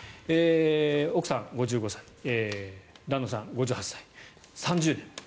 奥さん、５５歳旦那さん、５８歳で３０年。